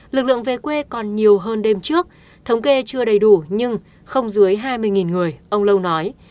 lực lượng về quê còn nhiều hơn đêm trước thống kê chưa đầy đủ nhưng không dưới hai mươi người ông lâu nói